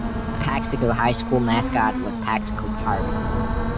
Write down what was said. The Paxico High School mascot was Paxico Pirates.